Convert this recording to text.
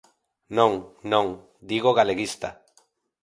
Non, non, digo galeguista.